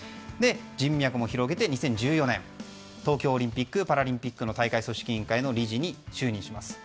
人脈も広げて、２０１４年東京オリンピック・パラリンピックの大会組織委員会の理事に就任します。